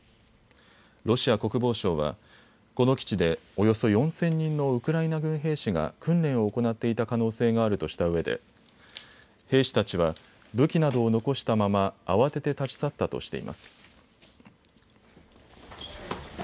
ロシア国防省はこの基地でおよそ４０００人のウクライナ軍兵士が訓練を行っていた可能性があるとしたうえで兵士たちは武器などを残したまま慌てて立ち去ったとしています。